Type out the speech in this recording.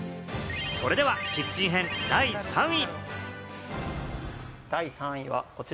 それではキッチン編、第３位。